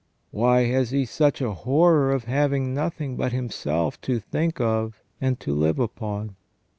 Why has he such a horror of having nothing but himself to think of and to live upon